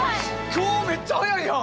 今日めっちゃ早いやん！